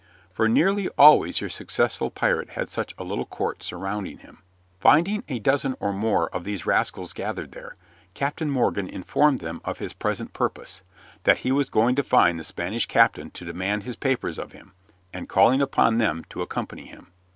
For nearly always your successful pirate had such a little court surrounding him. Finding a dozen or more of these rascals gathered there, Captain Morgan informed them of his present purpose that he was going to find the Spanish captain to demand his papers of him, and calling upon them to accompany him.